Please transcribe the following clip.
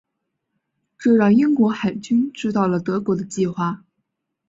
这让英国海军知道了德国的计划。